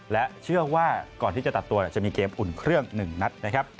และเชื่อว่าก่อนที่จะตัดตัวจะมีเกมอุ่นเครื่อง๑นัดนะครับ